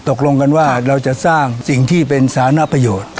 ตกลงกันว่าเราจะสร้างสิ่งที่เป็นสารประโยชน์